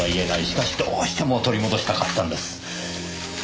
しかしどうしても取り戻したかったんです。